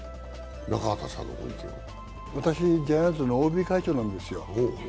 私、ジャイアンツのＯＢ会長なんですよ。